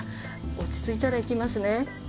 落ち着いたら行きますね。